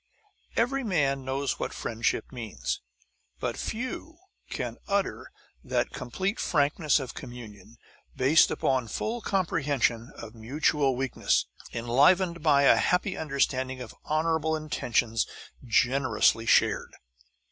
Every man knows what friendship means, but few can utter that complete frankness of communion, based upon full comprehension of mutual weakness, enlivened by a happy understanding of honourable intentions generously shared.